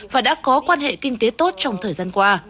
và đã có quan hệ kinh tế tốt trong thời gian qua